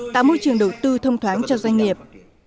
tạo môi trường đầu tư thông thoáng cho doanh nghiệp